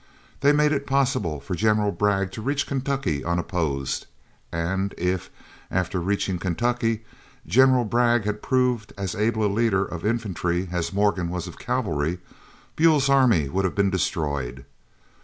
They made it possible for General Bragg to reach Kentucky unopposed; and if, after reaching Kentucky, General Bragg had proved as able a leader of infantry as Morgan was of cavalry, Buell's army would have been destroyed.